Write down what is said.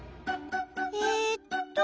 えっと。